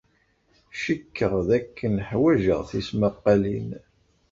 Cikkeɣ dakken ḥwajeɣ tismaqqalin.